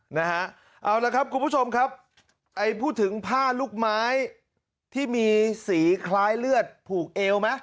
นะฮะเอาละครับคุณผู้ชมครับไอ้พูดถึงผ้าลูกไม้ที่มีสีคล้ายเลือดผูกเอวไหม